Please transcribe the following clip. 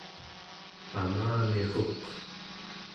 pamaliruk